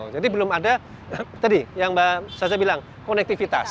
jadi belum ada tadi yang mbak saca bilang konektivitas